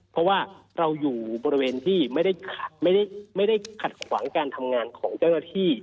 เพราะว่าเราอยู่บริเวณที่ไม่ได้ขัดขวางการทำงานของเจ้าหน้าที่